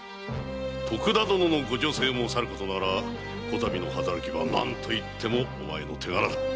徳田殿のご助勢もさることながら比度の働きは何といってもお前の手柄だ。